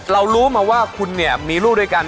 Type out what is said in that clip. รู้มาว่าคุณเนี่ยมีลูกด้วยกัน